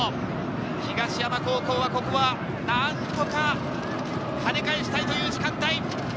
東山高校、ここは何とか跳ね返したいという時間帯。